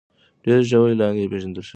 ډېر ژوي لا نه دي پېژندل شوي.